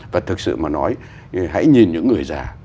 và thực sự mà nói hãy nhìn những người già